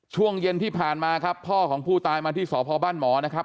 ช่วงเย็นที่ผ่านมาครับพ่อของผู้ตายมาที่สพบ้านหมอนะครับ